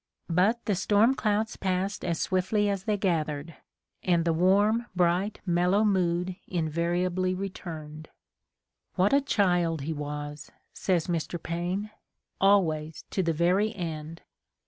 But the storm clouds passed as swiftly as they gathered, and the warm, bright, mellow mood invariably returned^ "What a child he was," says Mr. Paine, "always, to the very end!"